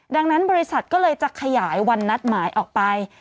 ดังนั้นบริษัทก็เลยจะขยายวันนัดหมายออกไป